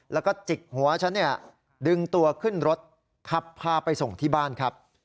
แล้วก็จิกหัวฉันเนี่ยดึงตัวขึ้นรถขับพาไปส่งที่บ้านครับ